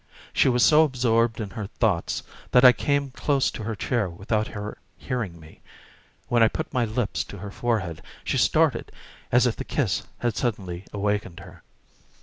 She was so absorbed in her thoughts that I came close to her chair without her hearing me. When I put my lips to her forehead she started as if the kiss had suddenly awakened her.